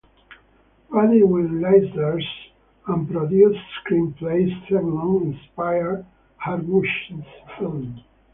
Rudy Wurlitzer's un-produced screenplay "Zebulon" inspired Jarmusch's film.